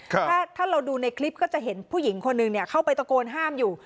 ถ้าถ้าเราดูในคลิปก็จะเห็นผู้หญิงคนหนึ่งเข้าไปตะโกนห้ามอยู่